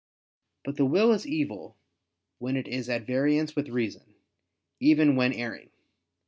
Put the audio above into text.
But the will is evil when it is at variance with reason, even when erring.